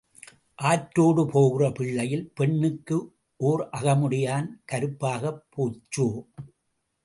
ஆற்றோடு போகிற பிள்ளையில் பெண்ணுக்கு ஓர் அகமுடையான் கருப்பாகப் போச்சோ?